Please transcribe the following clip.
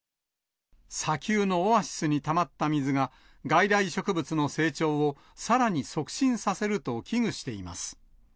砂丘のオアシスにたまった水が、外来植物の成長をさらに促進させると危惧しています。